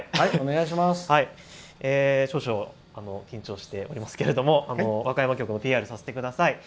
少々、緊張していますけども和歌山局のＰＲをさせてください。